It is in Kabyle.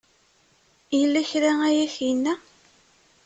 Yella kra ay ak-yenna?